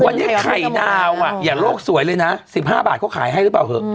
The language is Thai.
วันนี้ไข่ดาวอย่าโลกสวยเลยนะ๑๕บาทเขาขายให้หรือเปล่าเถอะ